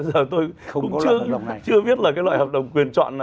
giờ tôi cũng chưa biết là cái loại hợp đồng quyền chọn